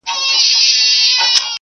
پر کابل مي جنګېدلی بیرغ غواړم